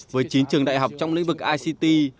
với chín trường đại học trong lĩnh vực ict